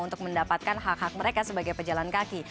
untuk mendapatkan hak hak mereka sebagai pelayanan